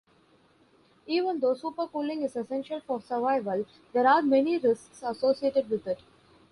Even though supercooling is essential for survival, there are many risks associated with it.